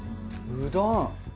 うどん。